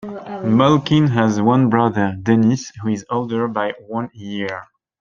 Malkin has one brother, Denis, who is older by one year.